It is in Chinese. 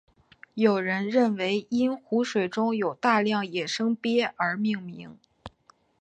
有人认为因湖中有大量野生鳖而命名。